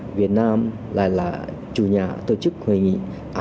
hội nghị asean apol lần thứ ba mươi chín là một nước chủ nhà tổ chức hội nghị đó